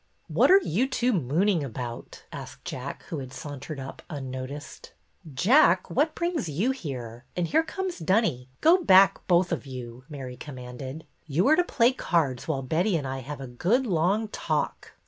"What are you two mooning about?" asked Jack, who had sauntered up unnoticed. "Jack, what brings you here? And here comes Dunny. Go back, both of you !" Mary commanded. " You are to play cards while Betty and I have a good long talk."